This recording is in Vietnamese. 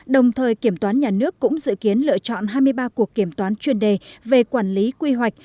đồng thời kiểm toán nhà nước cũng dự kiến lựa chọn hai mươi ba cuộc kiểm toán chuyên đề về quản lý quy hoạch